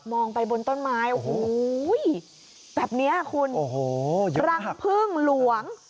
ไปบนต้นไม้โอ้โหแบบนี้คุณโอ้โหรังพึ่งหลวง